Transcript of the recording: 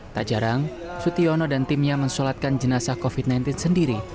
tak jarang sutyono dan timnya mensolatkan jenazah covid sembilan belas sendiri